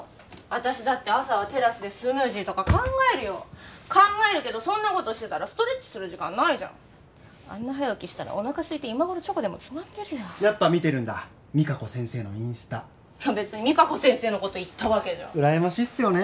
私だって朝はテラスでスムージーとか考えるよ考えるけどそんなことしてたらストレッチする時間ないじゃんあんな早起きしたらおなかすいて今頃チョコでもつまんでるよやっぱ見てるんだＭＩＫＡＫＯ先生のインスタ別にＭＩＫＡＫＯ先生のこと言ったわけじゃうらやましいっすよね